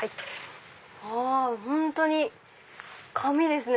あ本当に紙ですね。